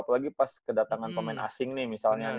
apalagi pas kedatangan pemain asing nih misalnya nih kan